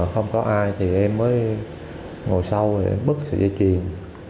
không có ai thì em mới ngồi sau để bức sợi dây chiên